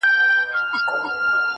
نن به ریږدي د فرنګ د زوی ورنونه٫